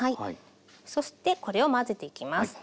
そしてこれを混ぜていきます。